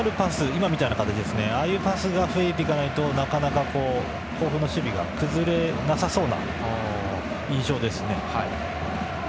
今みたいな形が増えていかないとなかなか甲府の守備が崩れなさそうな印象ですね。